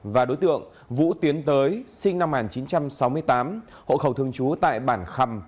và đối tượng vũ tiến tới sinh năm một nghìn chín trăm sáu mươi tám hộ khẩu thường trú tại bản khầm